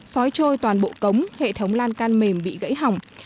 xói trôi toàn bộ cống hệ thống lan can mềm bị gãy hỏng